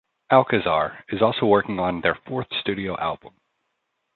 Alcazar is also working on a their fourth studio album.